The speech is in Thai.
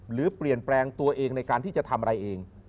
หรือเปลี่ยนแปลงตัวเองในการที่จะทำอะไรเอง